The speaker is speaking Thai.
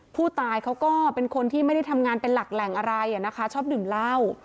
ผู้ตายเขาก็เป็นคนที่ไม่ได้ทำงานเป็นหลักแหล่งอะไรนะคะชอบดื่มเหล้า